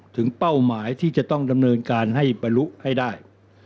เป้าหมายที่จะต้องดำเนินการให้บรรลุให้ได้